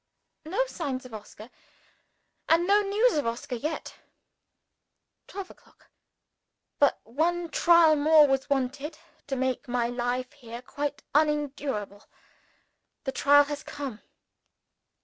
No signs of Oscar; and no news of Oscar yet. Twelve o'clock. But one trial more was wanted to make my life here quite unendurable. The trial has come.